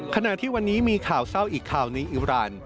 ขณะที่วันนี้มีข่าวเศร้าอีกข่าวหนึ่งอิราณ